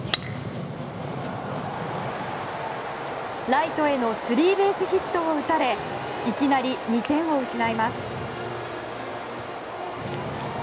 ライトへのスリーベースヒットを打たれいきなり２点を失います。